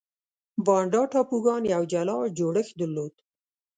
بانډا ټاپوګان یو جلا جوړښت درلود.